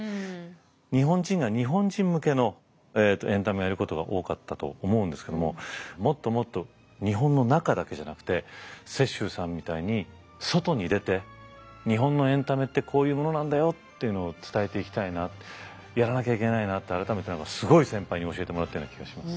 日本人が日本人向けのエンタメをやることが多かったと思うんですけどももっともっと日本の中だけじゃなくて雪洲さんみたいに外に出て日本のエンタメってこういうものなんだよっていうのを伝えていきたいなやらなきゃいけないなと改めてすごい先輩に教えてもらったような気がします。